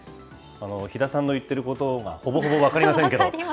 比田さんの言っていることがほぼほぼ分かりませんけど。